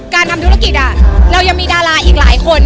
การทำธุรกิจเรายังมีดาราอีกหลายคน